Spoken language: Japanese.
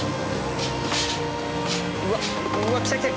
うわっうわっきたきた！